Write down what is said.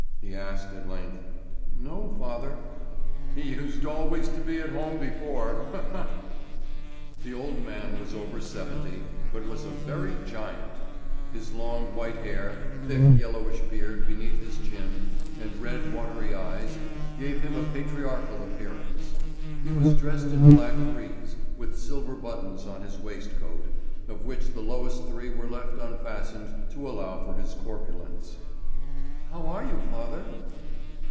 he asked at length. "No, father." "He used always to be at home before, ha, ha!" The old man was over seventy, but was a very giant. His long white hair, thick, yellowish beard beneath his chin, and red, watery eyes, gave him a patriarchal appearance. He was dressed in black frieze, with silver buttons on his waistcoat, of which the lowest three were left unfastened to allow for his corpulence. "How are you, father?"